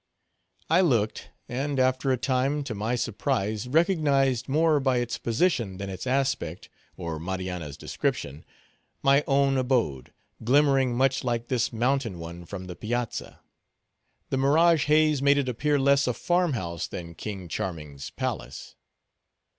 I looked; and after a time, to my surprise, recognized, more by its position than its aspect, or Marianna's description, my own abode, glimmering much like this mountain one from the piazza. The mirage haze made it appear less a farm house than King Charming's palace.